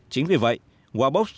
chính vì vậy wowbox